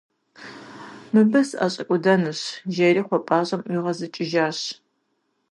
«Мыбы сыӏэщӏэкӏуэдэнущ!» - жери кхъуэпӏащэм ӏуигъэзыкӏыжащ.